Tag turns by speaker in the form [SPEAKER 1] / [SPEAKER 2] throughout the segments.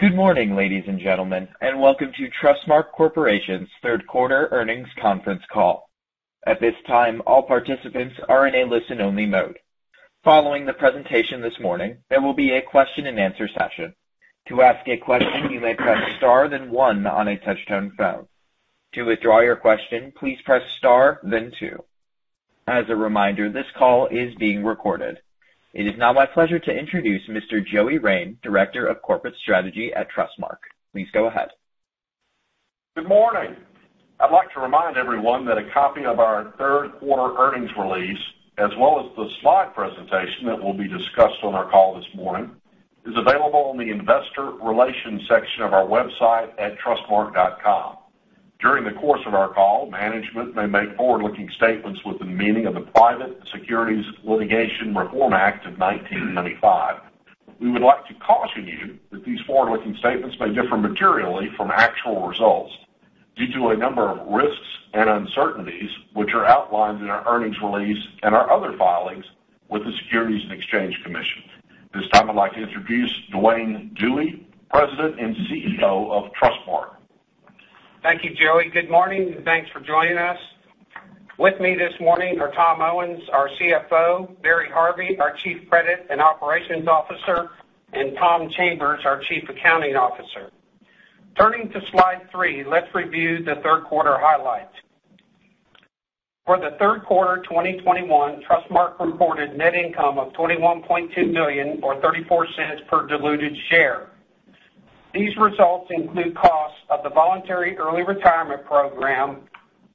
[SPEAKER 1] Good morning, ladies and gentlemen, and welcome to Trustmark Corporation's Q3 Earnings Conference Call. At this time, all participants are in a listen-only mode. Following the presentation this morning, there will be a question-and-answer session. To ask a question, you may press star then one on a touchtone phone. To withdraw your question, please press star then two. As a reminder, this call is being recorded. It is now my pleasure to introduce Mr. F. Joseph Rein, Jr., Director of Corporate Strategy at Trustmark. Please go ahead.
[SPEAKER 2] Good morning. I'd like to remind everyone that a copy of our Q3 earnings release, as well as the slide presentation that will be discussed on our call this morning, is available on the investor relations section of our website at trustmark.com. During the course of our call, management may make forward-looking statements with the meaning of the Private Securities Litigation Reform Act of 1995. We would like to caution you that these forward-looking statements may differ materially from actual results due to a number of risks and uncertainties, which are outlined in our earnings release and our other filings with the Securities and Exchange Commission. This time, I'd like to introduce Duane A. Dewey, President and CEO of Trustmark.
[SPEAKER 3] Thank you, Joey. Good morning, and thanks for joining us. With me this morning are Tom Owens, our CFO, Barry Harvey, our Chief Credit and Operations Officer, and Tom Chambers, our Chief Accounting Officer. Turning to slide 3, let's review the Q3 highlights. For the Q3 2021, Trustmark reported net income of $21.2 million or $0.34 per diluted share. These results include costs of the Voluntary Early Retirement Program,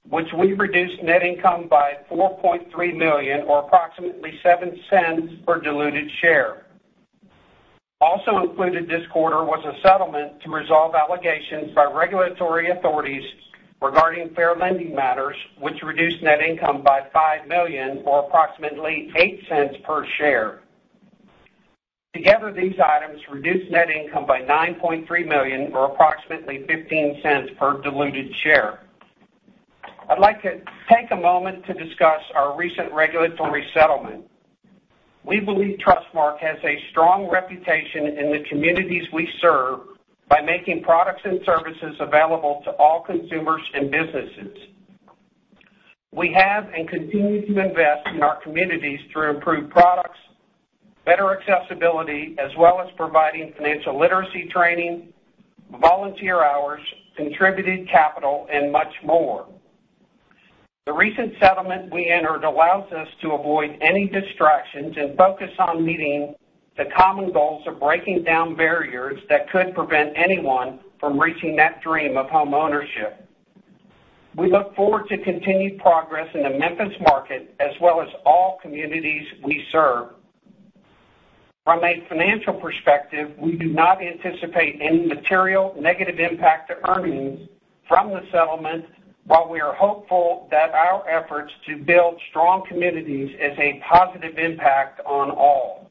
[SPEAKER 3] which we reduced net income by $4.3 million or approximately $0.07 per diluted share. Also included this quarter was a settlement to resolve allegations by regulatory authorities regarding Fair Lending matters, which reduced net income by $5 million or approximately $0.08 per share. Together, these items reduced net income by $9.3 million or approximately $0.15 per diluted share. I'd like to take a moment to discuss our recent regulatory settlement. We believe Trustmark has a strong reputation in the communities we serve by making products and services available to all consumers and businesses. We have and continue to invest in our communities through improved products, better accessibility, as well as providing financial literacy training, volunteer hours, contributed capital, and much more. The recent settlement we entered allows us to avoid any distractions and focus on meeting the common goals of breaking down barriers that could prevent anyone from reaching that dream of homeownership. We look forward to continued progress in the Memphis market as well as all communities we serve. From a financial perspective, we do not anticipate any material negative impact to earnings from the settlement, while we are hopeful that our efforts to build strong communities is a positive impact on all.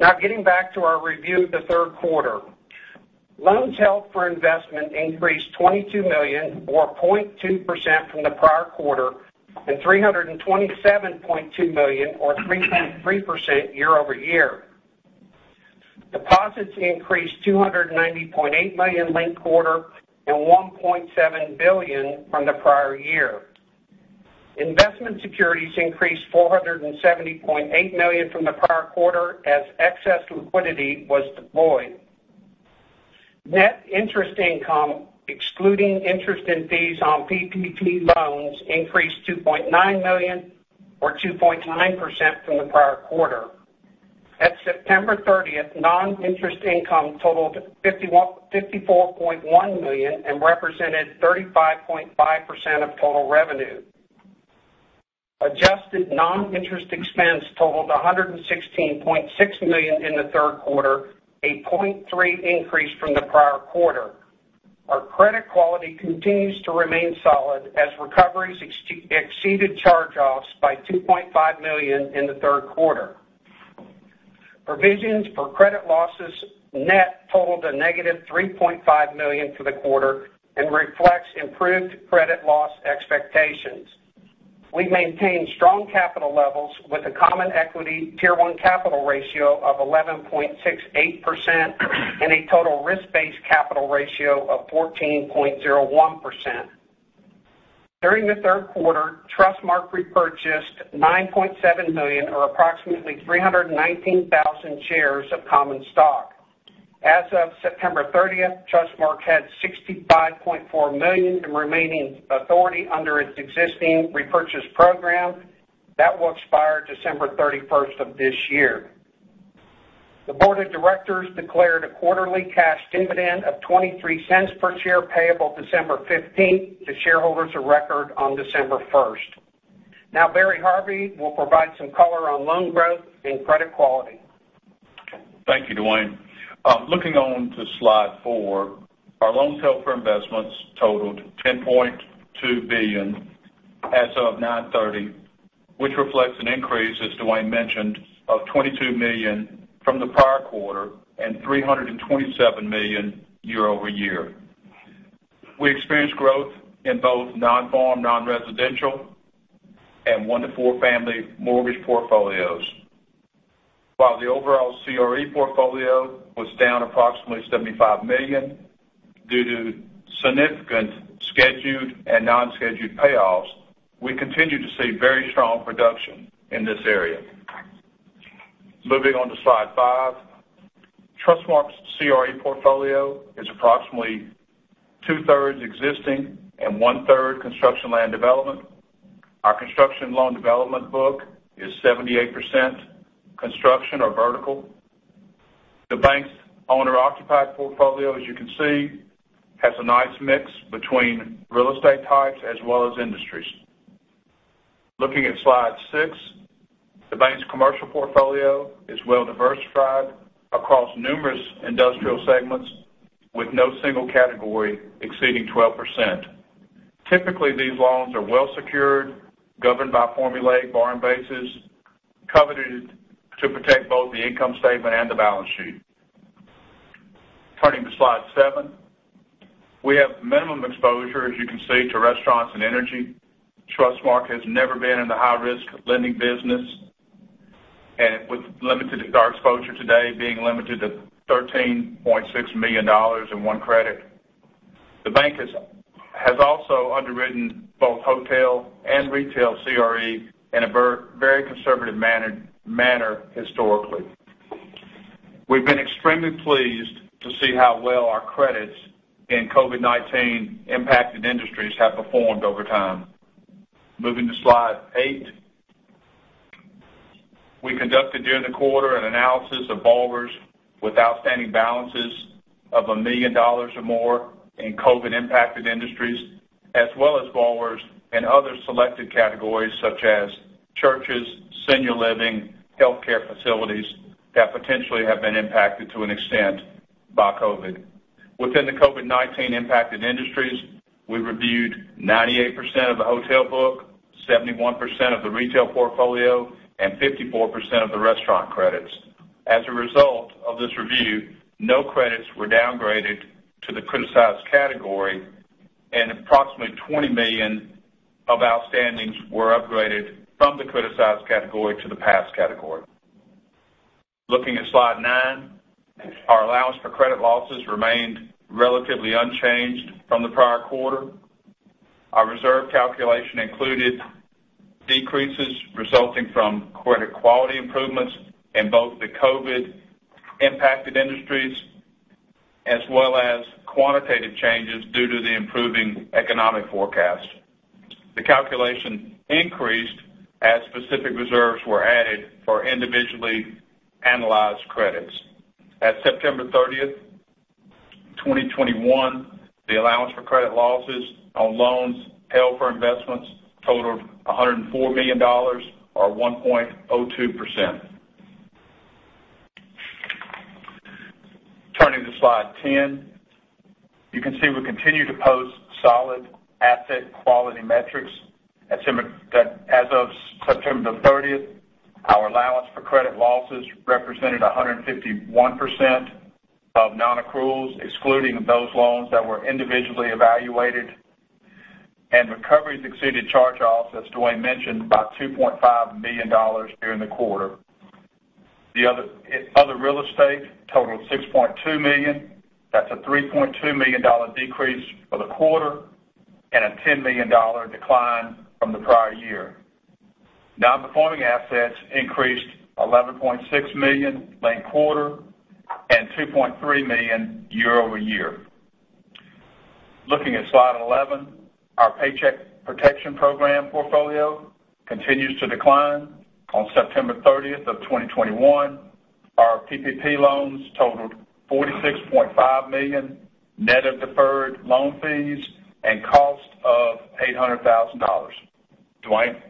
[SPEAKER 3] Now, getting back to our review of the Q3. Loans held for investment increased $22 million or 0.2% from the prior quarter and $327.2 million or 3.3% year-over-year. Deposits increased $290.8 million linked-quarter and $1.7 billion from the prior year. Investment securities increased $470.8 million from the prior quarter as excess liquidity was deployed. Net interest income, excluding interest and fees on PPP loans, increased $2.9 million or 2.9% from the prior quarter. At September 30, non-interest income totaled $54.1 million and represented 35.5% of total revenue. Adjusted non-interest expense totaled $116.6 million in the Q3, a 0.3% increase from the prior quarter. Our credit quality continues to remain solid as recoveries exceeded charge-offs by $2.5 million in the Q3. Provisions for credit losses net totaled a negative $3.5 million for the quarter and reflects improved credit loss expectations. We maintain strong capital levels with a Common Equity Tier 1 capital ratio of 11.68% and a Total risk-based capital ratio of 14.01%. During the Q3, Trustmark repurchased $9.7 million or approximately 319,000 shares of common stock. As of September 30, Trustmark had $65.4 million in remaining authority under its existing repurchase program. That will expire December 31 of this year. The board of directors declared a quarterly cash dividend of $0.23 per share payable December 15 to shareholders of record on December 1. Now, Barry Harvey will provide some color on loan growth and credit quality.
[SPEAKER 4] Thank you, Duane. Looking on to slide 4, our loans held for investments totaled $10.2 billion as of 9/30, which reflects an increase, as Duane mentioned, of $22 million from the prior quarter and $327 million year-over-year. We experienced growth in both nonfarm nonresidential and one- to four-family mortgage portfolios. While the overall CRE portfolio was down approximately $75 million due to significant scheduled and unscheduled payoffs, we continue to see very strong production in this area. Moving on to slide 5. Trustmark's CRE portfolio is approximately two-thirds existing and one-third construction and land development. Our construction and land development book is 78% construction or vertical. The bank's owner-occupied portfolio, as you can see, has a nice mix between real estate types as well as industries. Looking at slide 6, the bank's commercial portfolio is well-diversified across numerous industrial segments with no single category exceeding 12%. Typically, these loans are well-secured, governed by formulaic borrowing bases, covenanted to protect both the income statement and the balance sheet. Turning to slide 7, we have minimal exposure, as you can see, to restaurants and energy. Trustmark has never been in the high-risk lending business, and with our exposure today being limited to $13.6 million in one credit. The bank has also underwritten both hotel and retail CRE in a very conservative manner historically. We've been extremely pleased to see how well our credits in COVID-19 impacted industries have performed over time. Moving to slide 8. We conducted during the quarter an analysis of borrowers with outstanding balances of $1 million or more in COVID-19-impacted industries, as well as borrowers in other selected categories such as churches, senior living, healthcare facilities that potentially have been impacted to an extent by COVID-19. Within the COVID-19-impacted industries, we reviewed 98% of the hotel book, 71% of the retail portfolio, and 54% of the restaurant credits. As a result of this review, no credits were downgraded to the criticized category, and approximately $20 million of outstandings were upgraded from the criticized category to the pass category. Looking at slide 9, our allowance for credit losses remained relatively unchanged from the prior quarter. Our reserve calculation included decreases resulting from credit quality improvements in both the COVID-19-impacted industries as well as quantitative changes due to the improving economic forecast. The calculation increased as specific reserves were added for individually analyzed credits. At September 30, 2021, the Allowance for Credit Losses on loans held for investment totaled $104 million or 1.02%. Turning to slide 10. You can see we continue to post solid asset quality metrics. As of September 30, our Allowance for Credit Losses represented 151% of nonaccruals, excluding those loans that were individually evaluated. Recoveries exceeded charge-offs, as Duane mentioned, by $2.5 million during the quarter. Other real estate totaled $6.2 million. That's a $3.2 million decrease for the quarter and a $10 million decline from the prior year. Nonperforming assets increased $11.6 million linked-quarter and $2.3 million year-over-year. Looking at slide 11, our Paycheck Protection Program portfolio continues to decline. On September 30, 2021, our PPP loans totaled $46.5 million, net of deferred loan fees and cost of $800,000. Duane.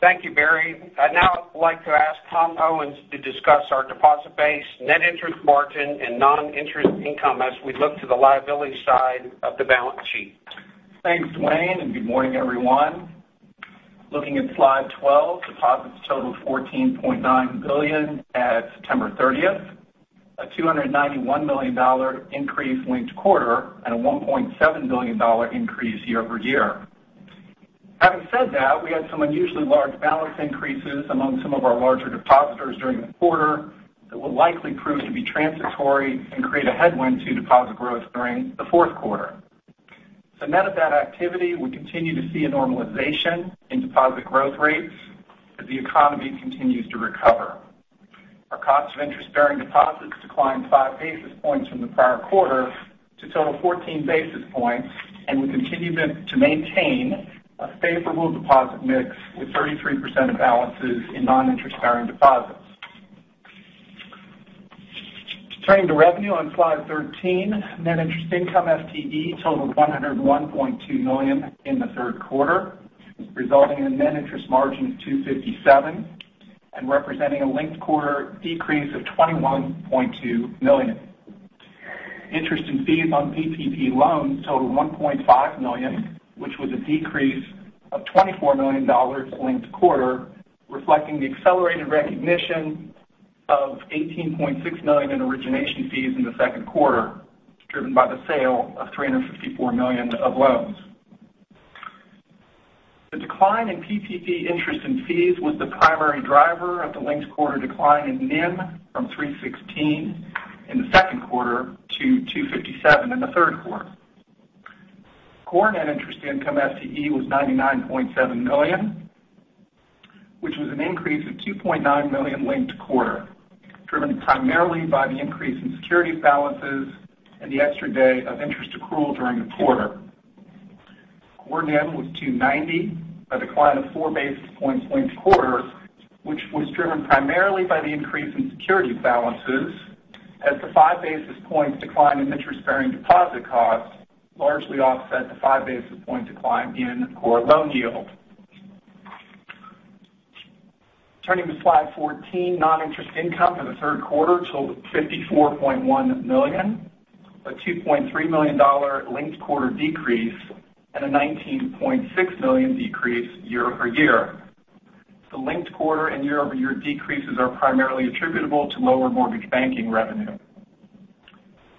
[SPEAKER 3] Thank you, Barry. I'd now like to ask Tom Owens to discuss our deposit base, net interest margin, and non-interest income as we look to the liability side of the balance sheet.
[SPEAKER 5] Thanks, Duane, and good morning, everyone. Looking at slide 12, deposits totaled $14.9 billion at September 30, a $291 million increase linked-quarter and a $1.7 billion increase year-over-year. Having said that, we had some unusually large balance increases among some of our larger depositors during the quarter that will likely prove to be transitory and create a headwind to deposit growth during the Q4. Net of that activity, we continue to see a normalization in deposit growth rates as the economy continues to recover. Our cost of interest-bearing deposits declined 5 basis points from the prior quarter to total 14 basis points, and we continue to maintain a favorable deposit mix with 33% of balances in non-interest-bearing deposits. Turning to revenue on slide 13. Net interest income FTE totaled $101.2 million in the Q3, resulting in a net interest margin of 2.57% and representing a linked quarter decrease of $21.2 million. Interest and fees on PPP loans totaled $1.5 million, which was a decrease of $24 million linked quarter, reflecting the accelerated recognition of $18.6 million in origination fees in the Q2, driven by the sale of $354 million of loans. The decline in PPP interest and fees was the primary driver of the linked quarter decline in NIM from 3.16% in the Q2 to 2.57% in the Q3. Core net interest income FTE was $99.7 million, which was an increase of $2.9 million linked quarter, driven primarily by the increase in security balances and the extra day of interest accrual during the quarter. Core NIM was 2.90%, a decline of 4 basis points linked quarter, which was driven primarily by the increase in security balances as the 5 basis points decline in interest-bearing deposit costs largely offset the 5 basis points decline in core loan yield. Turning to slide 14, non-interest income for the Q3 totaled $54.1 million, a $2.3 million linked quarter decrease and a $19.6 million decrease year-over-year. The linked quarter and year-over-year decreases are primarily attributable to lower mortgage banking revenue.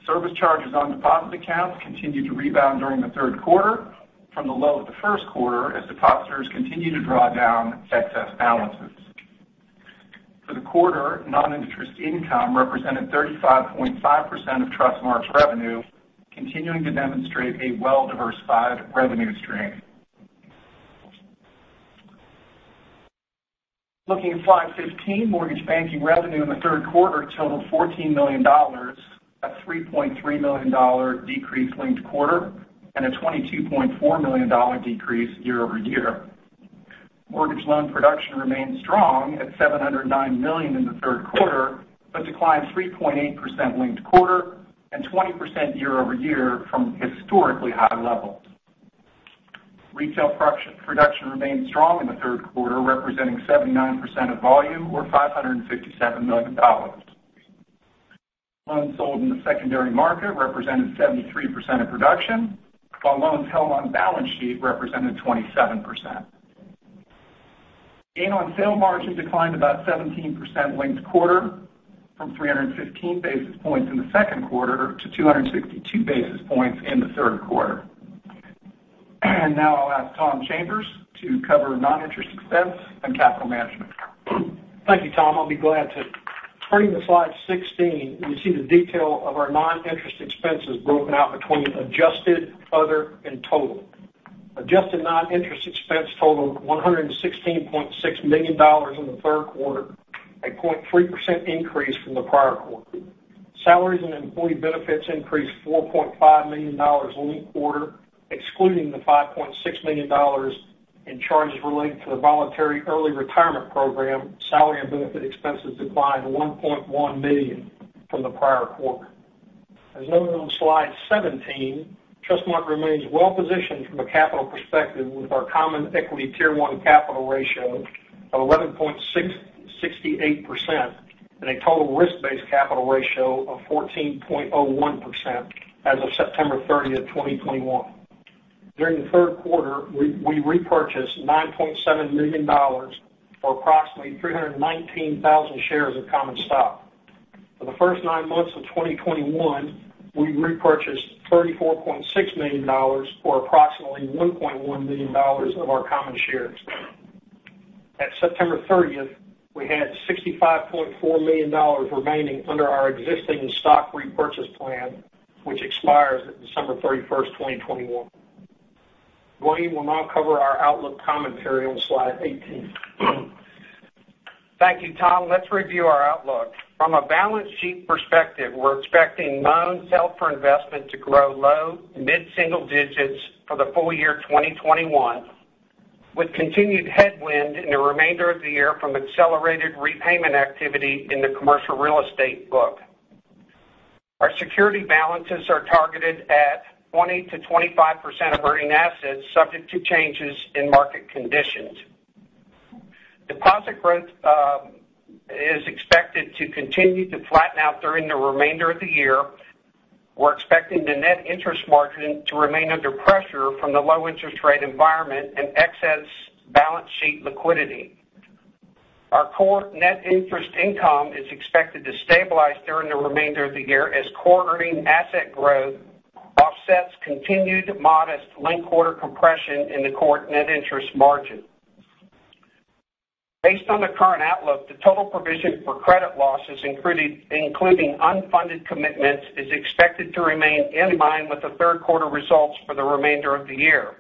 [SPEAKER 5] Service charges on deposit accounts continued to rebound during the Q3 from the low of the Q1 as depositors continued to draw down excess balances. For the quarter, non-interest income represented 35.5% of Trustmark's revenue, continuing to demonstrate a well-diversified revenue stream. Looking at slide 15, mortgage banking revenue in the Q3 totaled $14 million, a $3.3 million decrease linked-quarter, and a $22.4 million decrease year-over-year. Mortgage loan production remained strong at $709 million in the Q3, but declined 3.8% linked-quarter and 20% year-over-year from historically high-levels. Retail production remained strong in the Q3, representing 79% of volume or $557 million. Loans sold in the secondary market represented 73% of production, while loans held on balance sheet represented 27%. Gain on sale margin declined about 17% linked quarter from 315 basis points in the Q2 to 262 basis points in the Q3. Now I'll ask Tom Chambers to cover non-interest expense and capital management.
[SPEAKER 6] Thank you, Tom. I'll be glad to. Turning to slide 16, you see the detail of our Non-Interest Expense broken out between adjusted, other, and total. Adjusted Non-Interest Expense totaled $116.6 million in the Q3, a 0.3% increase from the prior quarter. Salaries and employee benefits increased $4.5 million linked quarter. Excluding the $5.6 million in charges related to the Voluntary Early Retirement Program, salary and benefit expenses declined $1.1 million from the prior quarter. As noted on slide 17, Trustmark remains well-positioned from a capital perspective with our Common Equity Tier 1 capital ratio of 11.68% and a Total risk-based capital ratio of 14.01% as of September 30, 2021. During the Q3, we repurchased $9.7 million or approximately 319,000 shares of common stock. For the first nine months of 2021, we repurchased $34.6 million, or approximately 1.1 million shares of our common shares. At September 30, we had $65.4 million remaining under our existing stock repurchase plan, which expires at December 31, 2021. Tom Owens will now cover our outlook commentary on slide 18.
[SPEAKER 5] Thank you, Tom. Let's review our outlook. From a balance sheet perspective, we're expecting loans held for investment to grow low mid-single-digit for the full-year 2021, with continued headwind in the remainder of the year from accelerated repayment activity in the commercial real estate book. Our security balances are targeted at 20%-25% of earning assets, subject to changes in market conditions. Deposit growth is expected to continue to flatten out during the remainder of the year. We're expecting the net interest margin to remain under pressure from the low interest rate environment and excess balance sheet liquidity. Our core net interest income is expected to stabilize during the remainder of the year as core earning asset growth offsets continued modest linked-quarter compression in the core net interest margin. Based on the current outlook, the total provision for credit losses including unfunded commitments is expected to remain in line with the Q3 results for the remainder of the year.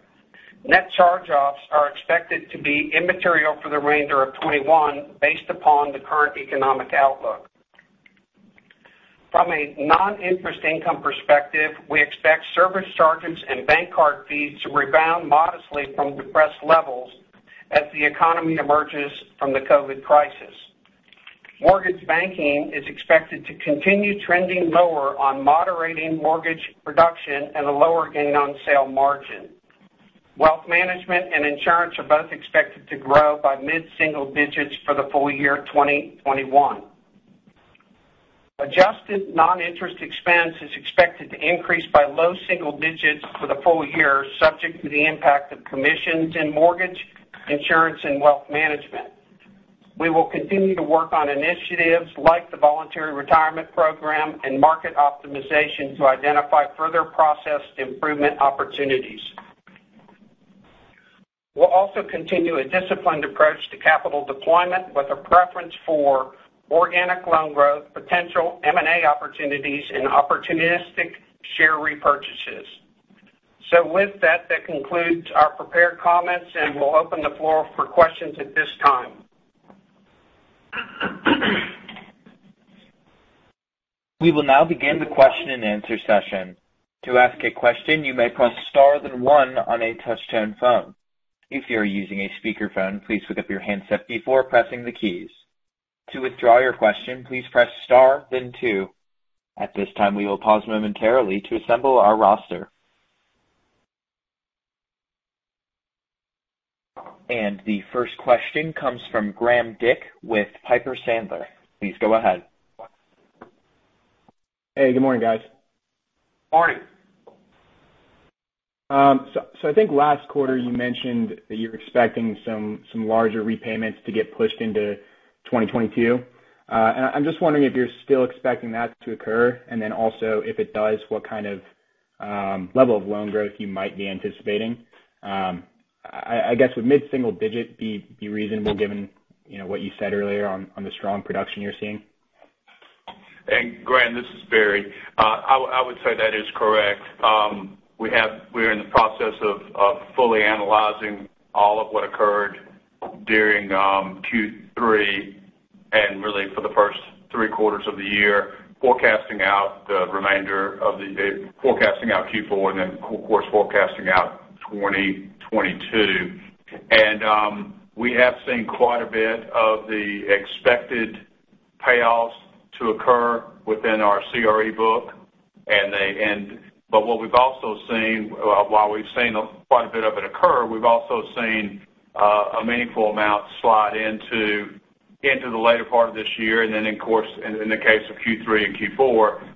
[SPEAKER 5] Net charge-offs are expected to be immaterial for the remainder of 2021 based upon the current economic outlook. From a non-interest income perspective, we expect service charges and bank card fees to rebound modestly from depressed levels as the economy emerges from the COVID crisis. Mortgage banking is expected to continue trending lower on moderating mortgage production and a lower gain on sale margin. Wealth management and insurance are both expected to grow by mid-single-digit for the full-year 2021. Adjusted Non-Interest Expense is expected to increase by low-single-digit for the full-year, subject to the impact of commissions in mortgage, insurance, and wealth management. We will continue to work on initiatives like the Voluntary Retirement Program and market optimization to identify further process improvement opportunities. We'll also continue a disciplined approach to capital deployment with a preference for organic loan growth, potential M&A opportunities, and opportunistic share repurchases. With that concludes our prepared comments, and we'll open the floor for questions at this time.
[SPEAKER 1] We will now begin the question-and-answer session. To ask a question, you may press star then one on a touch-tone phone. If you are using a speakerphone, please pick up your handset before pressing the keys. To withdraw your question, please press star then two. At this time, we will pause momentarily to assemble our roster. The first question comes from Graham D. Conrad With Piper Sandler. Please go ahead.
[SPEAKER 7] Hey, good morning, guys.
[SPEAKER 3] Morning.
[SPEAKER 7] I think last quarter you mentioned that you're expecting some larger repayments to get pushed into 2022. I'm just wondering if you're still expecting that to occur, and then also if it does, what kind of level of loan growth you might be anticipating. I guess, would mid-single-digit % be reasonable given you know what you said earlier on the strong production you're seeing?
[SPEAKER 4] Graham, this is Barry. I would say that is correct. We're in the process of fully analyzing all of what occurred during Q3, and really for the first three quarters of the year, forecasting out the remainder of Q4 and then of course forecasting out 2022. We have seen quite a bit of the expected payoffs to occur within our CRE book. But what we've also seen, while we've seen quite a bit of it occur, we've also seen a meaningful amount slide into the later part of this year. Then of course, in the case of Q3 and Q4,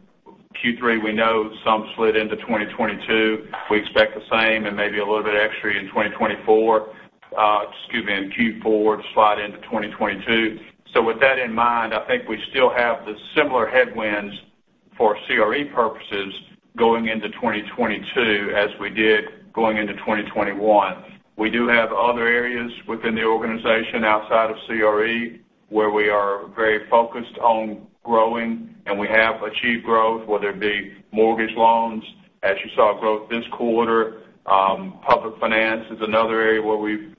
[SPEAKER 4] Q3 we know some slid into 2022. We expect the same and maybe a little bit extra in 2024. Excuse me, in Q4 to slide into 2022. With that in mind, I think we still have the similar headwinds for CRE purposes going into 2022 as we did going into 2021. We do have other areas within the organization outside of CRE, where we are very focused on growing, and we have achieved growth, whether it be mortgage loans. As you saw growth this quarter, public finance is another area where we've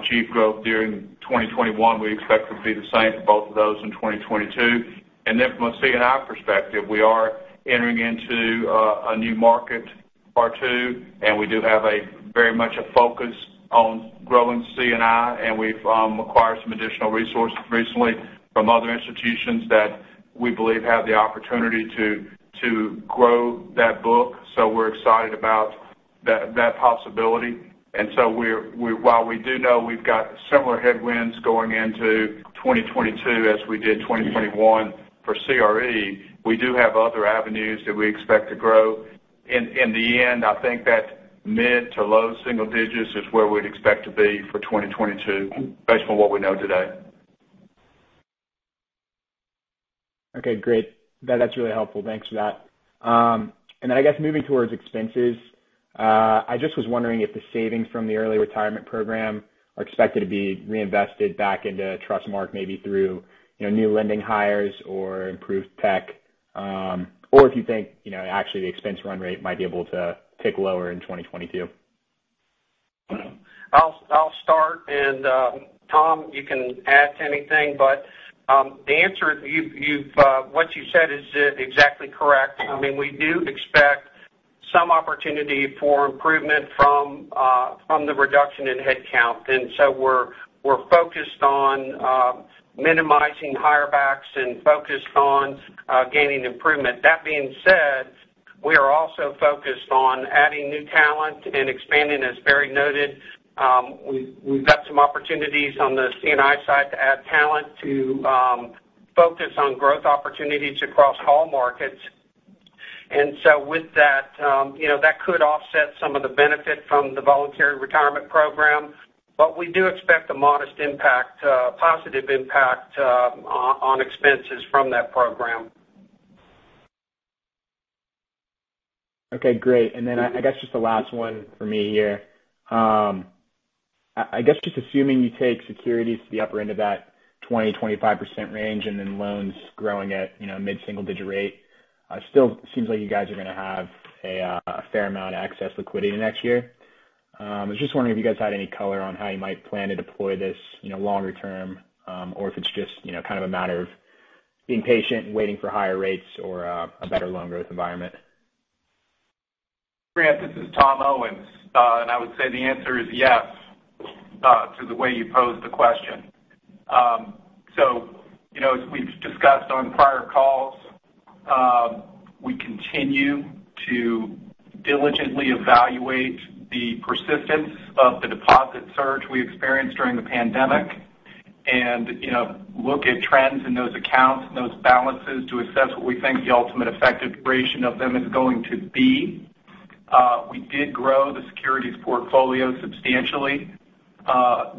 [SPEAKER 4] achieved growth during 2021. We expect it to be the same for both of those in 2022. From a C&I perspective, we are entering into a new market, part two, and we do have a very much a focus on growing C&I, and we've acquired some additional resources recently from other institutions that we believe have the opportunity to grow that book. We're excited about that possibility. While we do know we've got similar headwinds going into 2022 as we did 2021 for CRE, we do have other avenues that we expect to grow. In the end, I think that mid- to low-single-digit is where we'd expect to be for 2022 based on what we know today.
[SPEAKER 7] Okay, great. That's really helpful. Thanks for that. I guess moving towards expenses, I just was wondering if the savings from the early retirement program are expected to be reinvested back into Trustmark, maybe through, you know, new lending hires or improved tech, or if you think, you know, actually the expense run rate might be able to tick lower in 2022.
[SPEAKER 3] I'll start. Tom, you can add to anything. What you said is exactly correct. I mean, we do expect some opportunity for improvement from the reduction in headcount. We're focused on minimizing hire backs and focused on gaining improvement. That being said, we are also focused on adding new talent and expanding. As Barry noted, we've got some opportunities on the C&I side to add talent to focus on growth opportunities across all markets. With that, you know, that could offset some of the benefit from the Voluntary Retirement Program. We do expect a modest positive impact on expenses from that program.
[SPEAKER 7] Okay, great. I guess just the last one for me here. I guess just assuming you take securities to the upper end of that 20-25% range, and then loans growing at, you know, mid-single-digit rate, still seems like you guys are gonna have a fair amount of excess liquidity next year. I was just wondering if you guys had any color on how you might plan to deploy this in a longer term, or if it's just, you know, kind of a matter of being patient and waiting for higher rates or a better loan growth environment.
[SPEAKER 5] Graham, this is Tom Owens. I would say the answer is yes to the way you posed the question. You know, as we've discussed on prior calls, we continue to Diligently evaluate the persistence of the deposit surge we experienced during the pandemic and, you know, look at trends in those accounts and those balances to assess what we think the ultimate effective duration of them is going to be. We did grow the securities portfolio substantially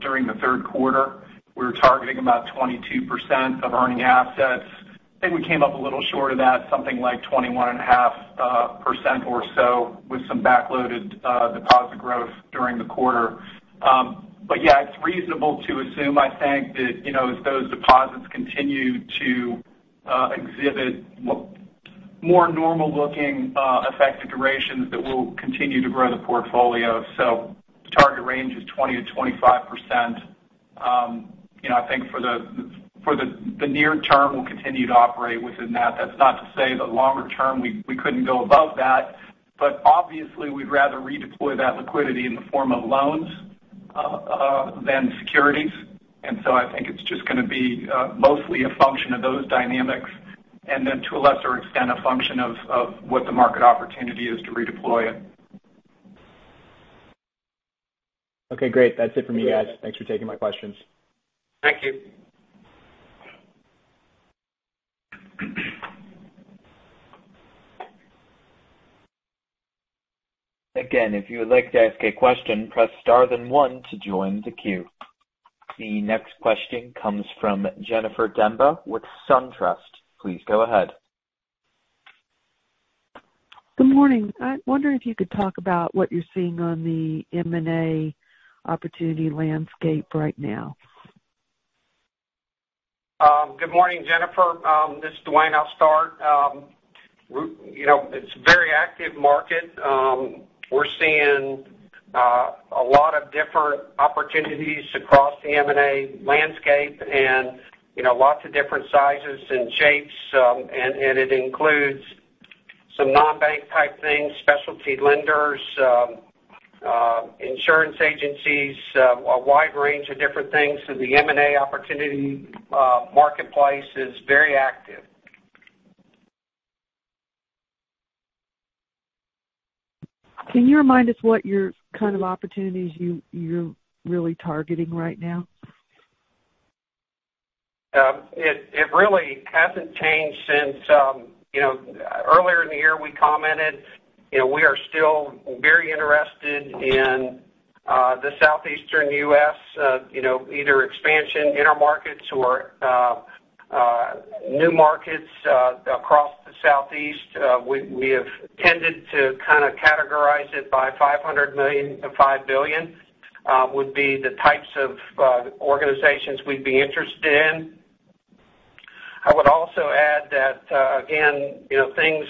[SPEAKER 5] during the Q3. We were targeting about 22% of earning assets. I think we came up a little short of that, something like 21.5% or so with some back-loaded deposit growth during the quarter. Yeah, it's reasonable to assume, I think that, you know, as those deposits continue to exhibit more normal-looking effective durations, that we'll continue to grow the portfolio. The target range is 20%-25%. You know, I think for the near term, we'll continue to operate within that. That's not to say the longer term we couldn't go above that. Obviously we'd rather redeploy that liquidity in the form of loans than securities. I think it's just gonna be mostly a function of those dynamics, and then to a lesser extent, a function of what the market opportunity is to redeploy it.
[SPEAKER 7] Okay, great. That's it for me, guys. Thanks for taking my questions.
[SPEAKER 3] Thank you.
[SPEAKER 1] The next question comes from Jennifer Demba with Truist. Please go ahead.
[SPEAKER 8] Good morning. I wonder if you could talk about what you're seeing on the M&A opportunity landscape right now?
[SPEAKER 3] Good morning, Jennifer. This is Duane. I'll start. You know, it's a very active market. We're seeing a lot of different opportunities across the M&A landscape and, you know, lots of different sizes and shapes. It includes some non-bank type things, specialty lenders, insurance agencies, a wide range of different things. The M&A opportunity marketplace is very active.
[SPEAKER 8] Can you remind us what your kind of opportunities you're really targeting right now?
[SPEAKER 3] It really hasn't changed since, you know, earlier in the year we commented. You know, we are still very interested in the Southeastern U.S., you know, either expansion in our markets or new markets across the Southeast. We have tended to kinda categorize it by $500 million-$5 billion would be the types of organizations we'd be interested in. I would also add that, again, you know, things,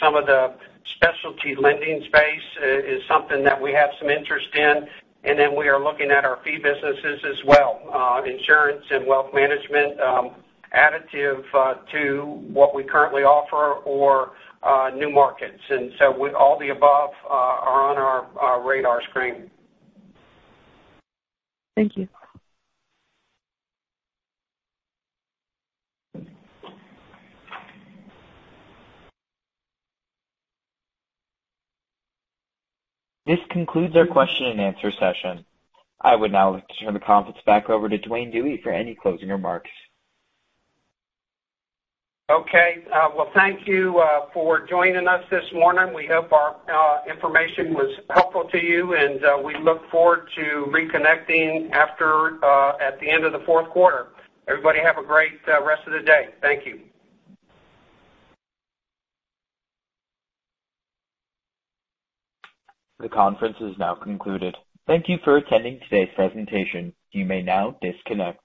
[SPEAKER 3] some of the specialty lending space is something that we have some interest in, and then we are looking at our fee businesses as well, insurance and wealth management, additive to what we currently offer or new markets. All the above are on our radar screen.
[SPEAKER 8] Thank you.
[SPEAKER 1] This concludes our question and answer session. I would now like to turn the conference back over to Duane A. Dewey for any closing remarks.
[SPEAKER 3] Okay. Well, thank you for joining us this morning. We hope our information was helpful to you, and we look forward to reconnecting after at the end of the Q4. Everybody, have a great rest of the day. Thank you.
[SPEAKER 1] The conference is now concluded. Thank you for attending today's presentation. You may now disconnect.